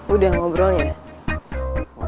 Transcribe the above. udah ngobrolnya gak